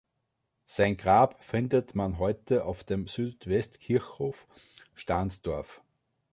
Sein Grab findet man heute auf dem Südwestkirchhof Stahnsdorf.